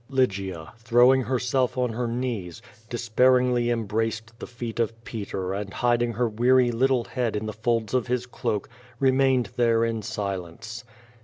Lygia, throwing herself on her knees, despairingly cm braced the feet of Peter and hiding her weary little head in the folds of his cloak, remained there in silence.